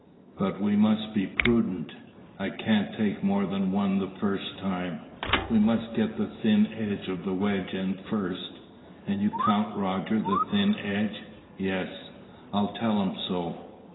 But we must be prudent. I can't take more than one the first time. We must get the thin edge of the wedge in first." "And you count Roger the thin edge?" "Yes." "I'll tell him so."